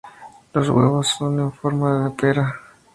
Los huevos son en forma de pera.